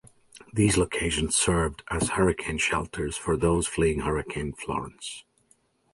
These locations served as hurricane shelters for those fleeing Hurricane Florence.